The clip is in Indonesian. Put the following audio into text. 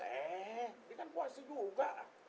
eh kita puasih juga